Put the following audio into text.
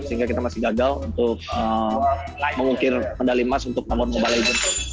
sehingga kita masih gagal untuk mengukir medali emas untuk nomor mobile legends